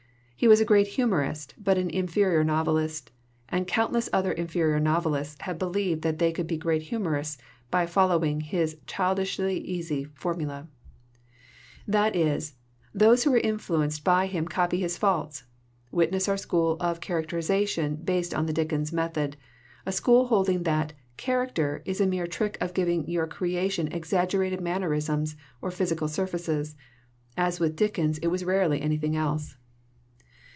He was a great humorist, but an inferior novelist, and countless other inferior novelists have be lieved that they could be great humorists by fol lowing his childishly easy formula. no SOME HARMFUL INFLUENCES "That is, those who were influenced by him copy his faults. Witness our school of char acterization based on the Dickens method, a school holding that * character' is a mere trick of giving your creation exaggerated mannerisms or physical surfaces as with Dickens it was rarely anything else.